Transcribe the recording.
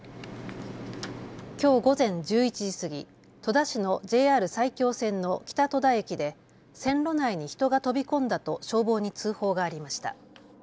きょう午前１１時過ぎ、戸田市のＪＲ埼京線の北戸田駅で線路内に人が飛び込んだと消防に通報がありました。